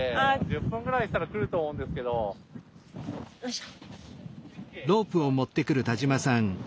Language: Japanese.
よいしょ。